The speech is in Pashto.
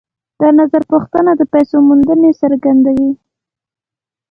دا نظرپوښتنه د پیسو موندنې څرګندوي